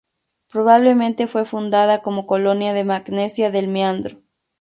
Probablemente fue fundada como colonia de Magnesia del Meandro.